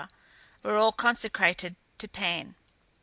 were all consecrated to Pan.